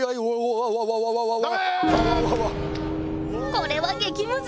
これは激ムズ！